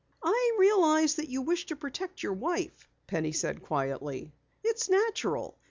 "I realize that you wish to protect your wife," Penny said quietly. "It's natural.